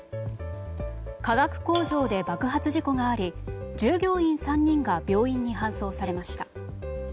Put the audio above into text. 化学工場で爆発事故があり従業員３人が病院に搬送されました。